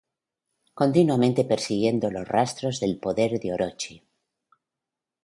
Continuamente persiguiendo los rastros del poder de Orochi.